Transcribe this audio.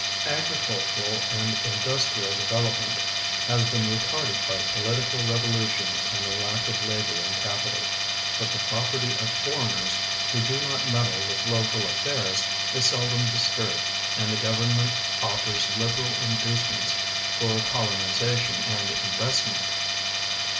Agricultural and industrial development has been retarded by political revolutions and a lack of lalj)or and ca])ital, hut the ])i'operty of foreigners who do not meddle with local affairs is sel dom disturljed and the government offers lil^eral inducements for colonization and investment.